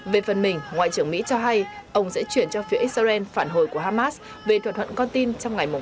về phần mình ngoại trưởng mỹ cho hay ông sẽ chuyển cho phía israel phản hồi của hamas về thỏa thuận con tin trong ngày bảy tháng hai